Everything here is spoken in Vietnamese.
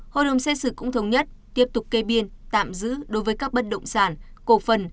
hội đồng xét xử cũng thống nhất tiếp tục kê biên tạm giữ đối với các bất động sản cổ phần